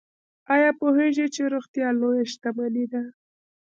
ایا پوهیږئ چې روغتیا لویه شتمني ده؟